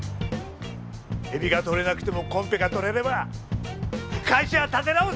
海老が取れなくてもコンペが取れれば会社は立て直せる！